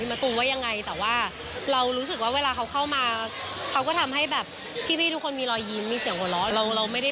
เออนั่นแหละนะฮะเจอปุ๊กลุ๊กก็เลยถามหน่อยซิว่า